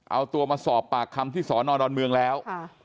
เอาตัวมาสอบปากคำที่สอนอดอนเมืองแล้ว